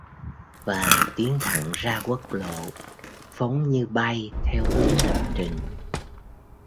Và tiến thẳng ra quốc lộ, phóng như bay theo hướng lập trình